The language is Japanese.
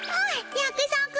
やくそく。